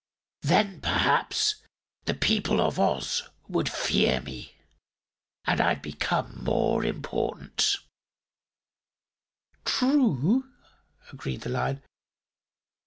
Then, perhaps, the people of Oz would fear me and I'd become more important." "True," agreed the Lion.